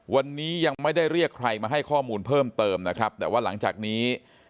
วันนี้ยังไม่ได้เรียกใครมาให้ข้อมูลเพิ่มเติมนะครับแต่ว่าหลังจากนี้